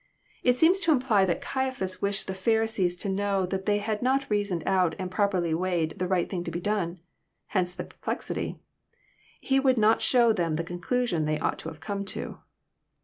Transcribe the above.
It seems to imply that Caiaphas wished the Pharisees to know that they had not reasoned out and properly weighed the right thing to be done. Hence this perplexity. He would not show them the conclusion they ought to have come to.